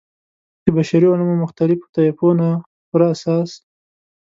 د بشري علومو مختلفو طیفونو پر اساس.